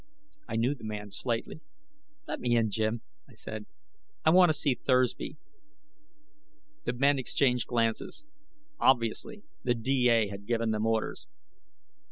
I knew the man slightly. "Let me in, Jim," I said. "I want to see Thursby." The men exchanged glances. Obviously, the D.A. had given them orders.